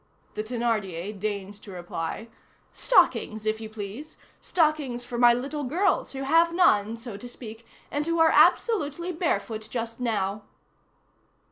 The Thénardier deigned to reply:— "Stockings, if you please. Stockings for my little girls, who have none, so to speak, and who are absolutely barefoot just now."